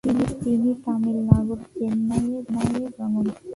তিনি তামিলনাড়ু রাজ্যের চেন্নাইয়ে জন্মগ্রহণ করেন।